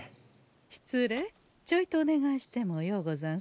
失礼ちょいとお願いしてもようござんすか？